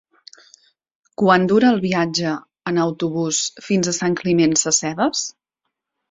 Quant dura el viatge en autobús fins a Sant Climent Sescebes?